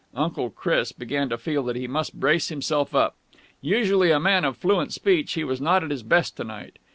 Uncle Chris began to feel that he must brace himself up. Usually a man of fluent speech, he was not at his best to night.